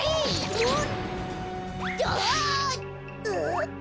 うん。